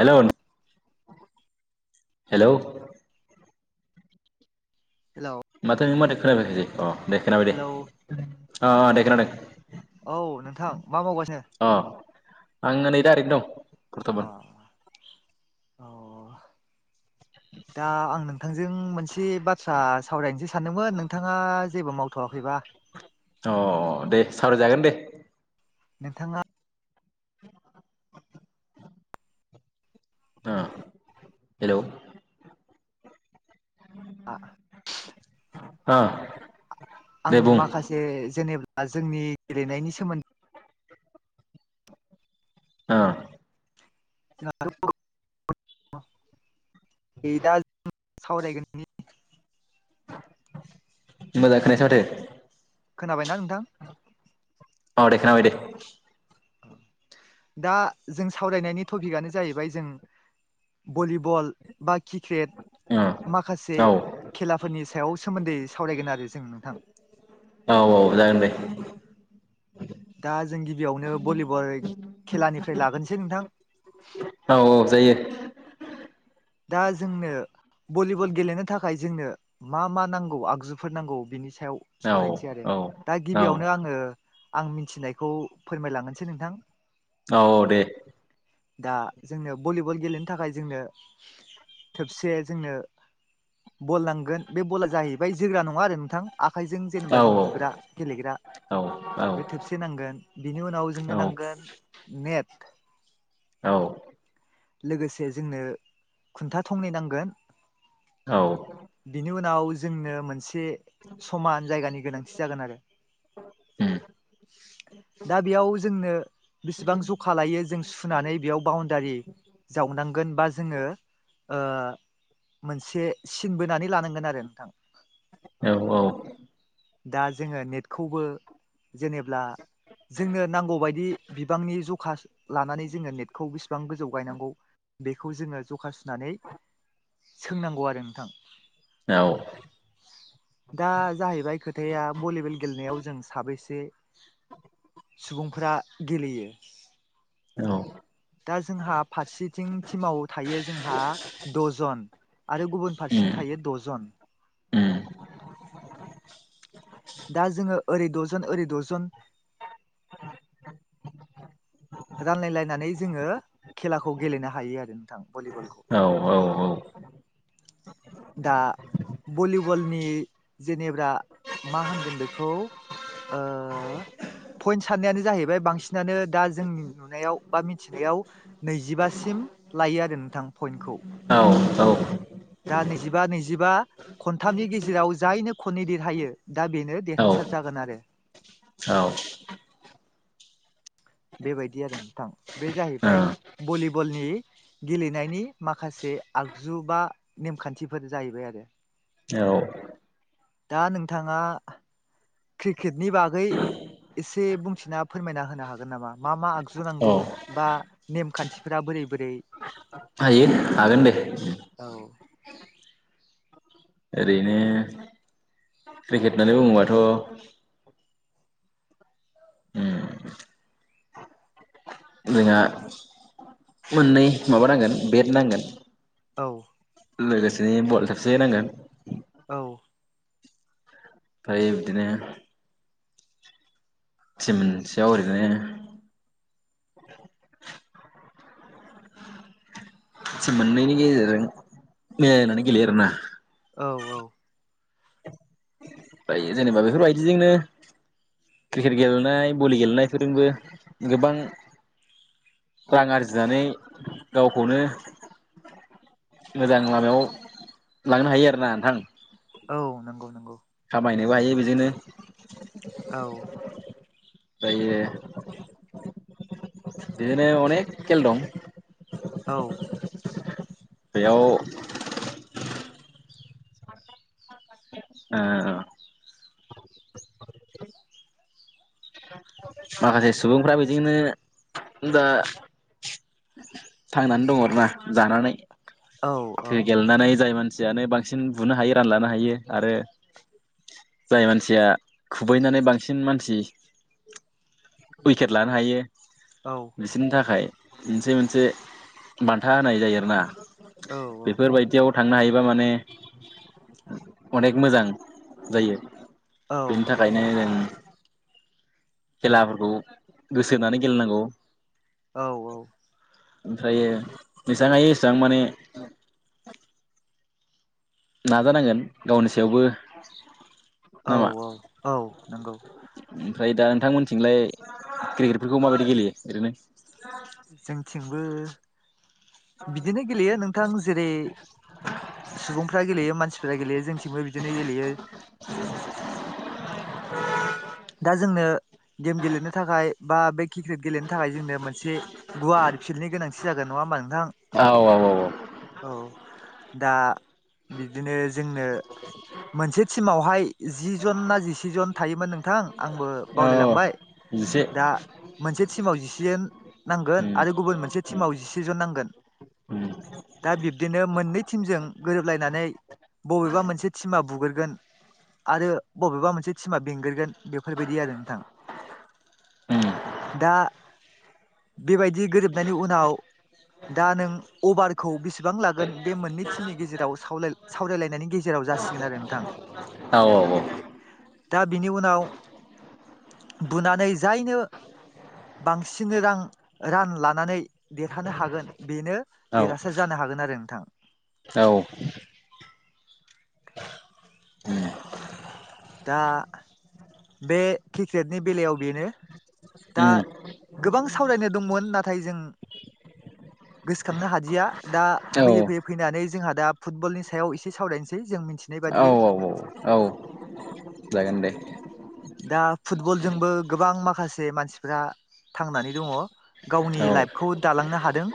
Hello नों hello hello माथो नों माथो खोनाफैयाखैसै अ दे खोनाबाय दे हेलौ अ दे खोनादों। औ नोंथां मा मावगासिनो अ आं नै दा ओरैनो दं अ बर्थमान औ दा आं नोंथांजों मोन दे बाथ्रा सावरायनोसो सानदोंमोन नोंथाङा जेबो मावथ'वाखैबा अ दे सावरायजागोन दे नोंथाङा अम हेलौ आ अ आं दे बुं माखासे जेनेबा जोंनि गेलेनायनि सोमोन आ [unintelligible] नै दा जों सावरायगोननि मोजां खोनायासै माथो खोनाबायना नोंथां अ दे खोनाबाय दे। दा जों सावरायनायनि टपिकआनो जाहैबाय जों भलिबल बा किक्रेट माखासे अ औ खेलाफोरनि सायाव सोमोन्दै सावरायगोन आरो जों नोंथां। औ औ जागोन दे। दा जों गिबियावनो भलिबल खेलानिफ्राय लागोनसै नोंथां औ औ जायो दा जोंनो भलिबल गेलेनो थाखाय जोंनो मा मा नांगौ आगजुफोर नांगौ बिनि सायाव औ सावरायनोसै आरो औ दा औ गिबियावनो आङो आं मिथिनायखौ फोरमायलांगोनसै नोंथां औ दे दा जोंनो भलिबल गेलेनो थाखाय जोंनो थोबसे जोंनो बल नांगोन बे बला जाहैबाय जोग्रा नङा आरो नोंथां। आखाइजों जेनेबा औ जों बुग्रा गेलेग्रा औ औ बे थेबसे नांगोन बिनि उनाव जोंनो नांगोन नेट औ। लोगोसे जोंनो खुन्था थंनै नांगोन। औ। बिनि उनाव जोंनो मोनसे एसे समान जायगानि गोनांथि जागोन आरो उम दा बेयाव जोंनो बेसेबां जखा लायो जों सुनानै बेयाव बाउनदारि जावनांगोन बा जोङो ओ मोनसे सिन बोनानै लानांगोन आरो नोंथां। औ औ। दा जोङो नेटखौबो जेनेब्ला जोंनो नांगौबायदि बिबांनि जखा लानानै जोङो नेटखौ बेसेबां गोजौ गायनांगौ बेखौ जोङो जखा सुनानै सोंनांगौ आरो नोंथां औ। दा जाहैबाय खोथाया भलिबल गेलेनायाव जों साबैसे सुबुंफ्रा गेलेयो औ। दा जोंहा फारसेथिं टिमाव थायो जोंहा दजन आरो गुबुन फारसेजों उम थायो दजन उम दा जोङो ओरै ड'जन ओरै ड'जन [inaudible] रानलायलायनानै जोङो खेलाखौ गेलेनो हायो आरो नोंथां भलिबलखौ। औ औ औ। दा भलिबलनि जेनेब्रा मा होनगोन बे खौ ओ पइन्ट साननायानो जाहैबाय बांसिनानो दा जोंनि नुनायाव बा मिथिनायाव नैजिबासिम लायो आरो नोंथां पइन्टखौ औ औ। दा नैजिबा नैजिबा खनथामनि गेजेराव जायनो खननै देरहायो दा बेनो औ देरहासार जागोन आरो औ बेबायदि आरो नोंथां बे जाहैबाय भलिबलनि गेलेनायनि माखासे आगजु बा नेमखान्थिफोर जाहैबाय आरो औ दा नोंथांङा क्रिकेटनि बागै एसे बुंथिना फोरमायना होनो हागोन नामा मा मा आगजु औ नांगौ बा नेमखान्थिफ बोरै बोरै हायो हागोन दे औ ओरैनो क्रिकेट होननानै बुङोबाथ' उम जोंहा मोननै माबा नांगोन बेड नांगोन। औ। लोगोसेनो बल थोबसे नांगोन। औ। फ्राय बिदिनो टिम मोनसेयाव ओरैनो टिम मोननैनि गेजेरजों मिलायलायनानै गेलेयो आरोना। औ औ। दायो जेनेबा बेफोरबायदिजोंनो क्रिकेट गेलेनाय बलि गेलेनायफोरजोंबो गोबां रां आरजिनानै गावखौनो मोजां लामायाव लांनो हायो आरोना नोंथां औ नंगौ नंगौ खामायनोबो हायो बिजोंनो औ [unintelligible] बिदिनो अनेक खेल दं। औ बेयाव ओ माखासे सुबुंफ्रा बिजोंनो दा थांनानै दङ' आरोना जानानै औ गेलेनानै जाय मान सियानो बांसिन बुनो हायो रानलानो हायो आरो जाय मानसिया खुबैनानै बांसिन मानसि उइकेट लानो हायो। औ बिसोरनि थाखाय एसे मोनसे बान्था होनाय जायो आरोना औ औ बेफोरबायदियाव थांनो हायोबा माने अनेक मोजां जायो। औ बेनि थाखायनो जों खेलाफोरखौ गोसो होनानै गेलेनांगौ औ औ ओमफ्रायो जेसां हायो एसां माने नाजानांगोन गावनि सायावबो औ नामा औ औ नंगौ ओमफ्राय दा नोंथांमोनथिंलाय क्रिकेटफोरखौ माबायदि गेलेयो बिदिनो जोंथिंबो बिदिनो गेलेयो नोंथां जेरै सुबुंफ्रा गेलेयो मानसिफ्रा गेलेयो जोंथिंबो बिदिनो गेलेयो दा जोंनो गेम गेलेनो थाखाय बा बे क्रिकेट गेलेनो थाखाय जोंनो मोनसे गुवार फिल्डनि गोनांथि जागोन नङा होमा नोंथां। औ औ औ औ दा बिदिनो जोंनो मोनसे टिमावहाय जि जन ना जिसेजन थायोमोन नोंथां आंबो औ औ बावलायलांबाय जिसे दा मोनसे टिमाव जिसेजन नांगोन उम आरो गुबुन मोनसे टिमाव जिसेजन नांगोन उम दा बिब्दिनो मोननै टिमजों गोरोबलायनानै बबेबा मोनसे टिमा बुगोरगोन आरो बबेबा मोनसे टिमा बेंगोरगोन बेफोरबायदि आरो नोंथां उम दा बेबायदि गोरोबनायनि उनाव दा नों अभारखौ बेसेबां लागोन बे मोननै टिमनि गेजेराव सावलाय सावरायलायनायनि गेजेराव जासिगोन आरो नोंथां औ औ दा बिनि उनाव बुनानै जायनो बांसिन रां रां लानानै देरहानो हागोन बेनो औ देरहासार जानो हागोन आरो नोंथां औ [unintelligible] दा बे क्रिकेटनि बेलायाव बेनो उम दा गोबां सावरायनो दंमोन नाथाय जों गोसोखांनो हादिया दा औ फैयै फैयै फैनानै जोंहा दा फुटबलनि सायाव एसे सावरायनसै जों मिथि औ औ औ औ जागोन दे दा फुटबलजोंबो गोबां माखासे मानसिफ्रा थांनानै दङ गावनि औ लाइफखौ दालांनो हादों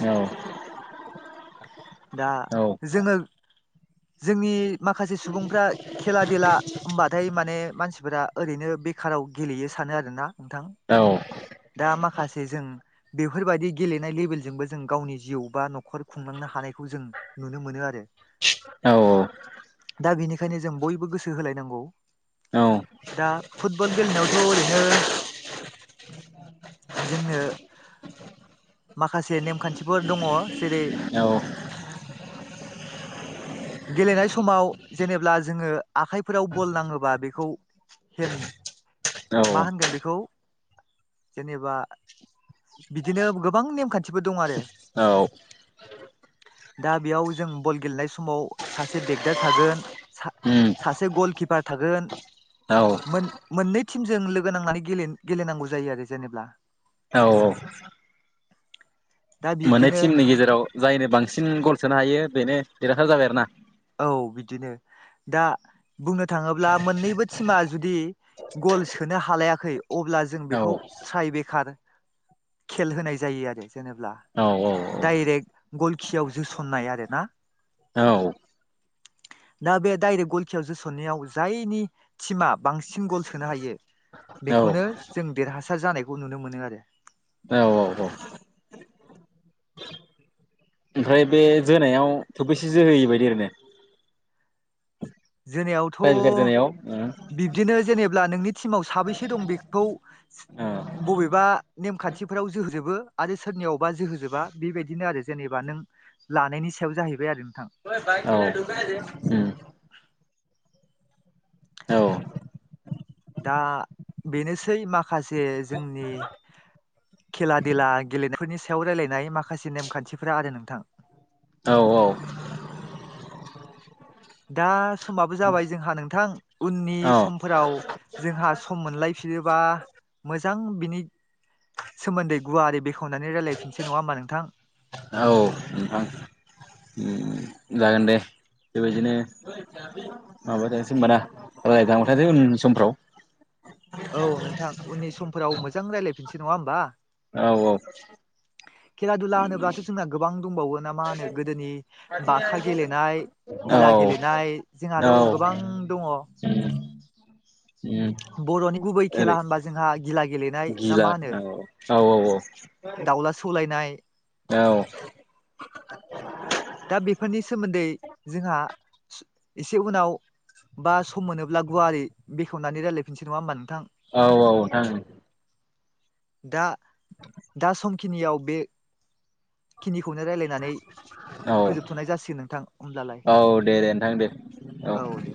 औ दा औ जोङो जोंनि माखासे सुबुंफ्रा खेला देला होमबाथाय माने मानसिफोरा ओरैनो बेखाराव गेलेयो सानो आरोना नोंथां औ दा माखासे जों बेफोरबायदि गेलेनाय लेभेलजोंबो जों गावनि जिउ बा नखर खुंलांनो हानाय खौ जों नुनो मोनो आरो औ औ दा बिनिखायनो जों बयबो गोसो होलायनांगौ औ दा फुटबल गेलेनायावथ' ओरैनो जोंनो माखासे नेमखान्थिफोर दङ जेरै औ गेलेनाय समाव जेनेब्ला जोङो आखाइफोराव बल नाङोबा बेखौ हेन औ मा होनगोन बेखौ जेनेबा बिदिनो गोबां नेमखान्थिफोर दं आरो औ दा बेयाव जों बल गेलेनाय समाव सासे बेगदार थागोन सा उम सासे गल किपार थागोन औ मोन-मोननै टिमजों लोगो नांनानै गेलेन-गेलेनांगौ जायो आरो जेनेबा औ औ दा मोननै बिब्दिनो टिमनि गेजेराव जायनो बांसिन गल सोनो हायो बेनो देरहासार जाबाय आरोना औ बिदिनो दा बुंनो थाङोब्ला मोननैबो टिमा जुदि गल सोनो हालायाखै अब्ला जों बेखौ औ ट्राइ बेखार खेल होनाय जायो आरो जेनेब्ला औ औ डाइरेक गलखियाव जोस'ननाय आरोना औ दा बे दडायरेक्ट गल खियाव जोसननायाव जायनि टिमा बांसिन गल सोनो हायो औ बेखौनो जों देरहासार जानायखौ नुनो मोनो आरो औ औ औ ओमफ्राय बे जोनायाव थोबैसे जोहोयै बायदि आरैनो जोनायाव फाय दनायाव [unintelligible] बिब्दिनो जेनेब्ला नोंनि टिमाव साबैसे दं बेखौ बबेबा नेमखान्थिफोराव जोहोजोबो आरो सोरनियावबा जोहोजोबा बेबायदिनो आरो जेनेबा नों लानायनि सायाव जाहैबाय आरो नोंथां [unintelligible] औ ओम औ दा बेनोसै माखासे जोंनि खेला देला गेलेनायफोरनि सायाव रायलायनाय माखासे नेमखान्थिफोरा आरो नोंथां औ औ दा समाबो जाबाय जोंहा नोंथां उननि औ औ समफोराव जोंहा सम मोनलायफिनोबा मोजां बिनि सोमोन्दै गुवारै बेखवनानै रायलायफिनसै नङा होनबा नोंथां औ नोंथां ओम जागोन दे बेबायदिनो माबाथानोसै होनबाना रायलायदां थादो उन समफ्राव औ नोंथां उननि समफोराव मोजां रायजलायफिनसै नङा होमबा? औ खेला दुला होनोब्लाथ' जोंना गोबां दंबावो ना मा होनो गोदोनि बाथा गेलेनाय। औ गिला गेलेनाय जोंहाथ' औ गोबां दङ। औ बर'नि गुबै खेला ओरै होनबा जोंहा गिला गेलेनाय ना गिला मा होनो? औ औ औ। दाउला सौलायनाय औ। दा बेफोरनि सोमोन्दै जोंहा एसे उनाव बा सम मोनोब्ला गुवारै बेखेवनानै रायजलायफिनसै नङा होमा नोंथां? औ औ नोंथां ओं। दा दा समखिनियाव बे खिनिखौनो रायजलायनानै औ फोजोबथ'नाय जासिगोन नोंथां होमब्लालाय। औ दे दे नोंथां दे औ।